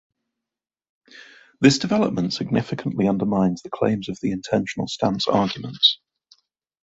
This development significantly undermines the claims of the intentional stance argument.